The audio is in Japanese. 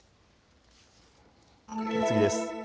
次です。